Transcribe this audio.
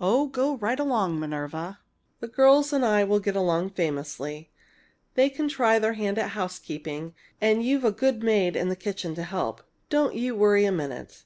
"Oh, go right along, Minerva! The girls and I will get on famously. They can try their hand at housekeeping, and you've a good maid in the kitchen to help. Don't you worry a minute!"